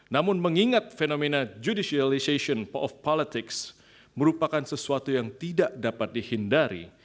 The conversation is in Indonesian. namun mengingat fenomena judicialization of politics merupakan sesuatu yang tidak dapat dihindari